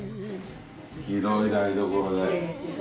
広い台所で。